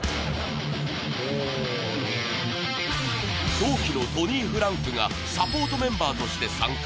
同期のトニーフランクがサポートメンバーとして参加。